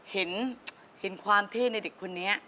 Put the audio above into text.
เห็นความเท่ในเด็กคนนี้